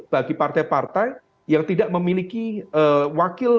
bagi partai partai yang tidak memiliki wakil